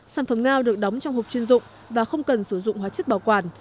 sản phẩm ngao được đóng trong hộp chuyên dụng và không cần sử dụng hóa chất bảo quản